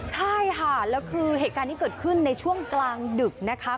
ใช่ค่ะแล้วคือเหตุการณ์ที่เกิดขึ้นในช่วงกลางดึกนะคะ